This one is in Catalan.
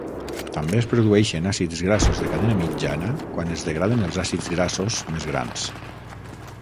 També es produeixen àcids grassos de la cadena mitjana quan es degraden els àcids grassos més grans.